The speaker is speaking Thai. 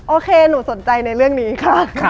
โอเคหนูสนใจในเรื่องนี้ค่ะ